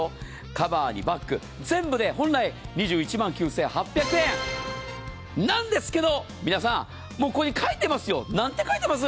カバーにバッグ、全部で本来２１万９８００円なんですけど、皆さん、もうここに書いてありますよ、なんて書いてあります？